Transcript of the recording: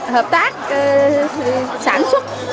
hợp tác sản xuất